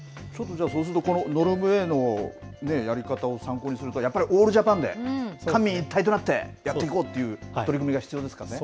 そうすると、ノルウェーのやり方を参考にすると、やっぱりオールジャパンで、官民一体となってやっていこうっていう取り組みが必要ですかね。